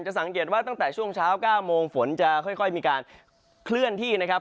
สังเกตว่าตั้งแต่ช่วงเช้า๙โมงฝนจะค่อยมีการเคลื่อนที่นะครับ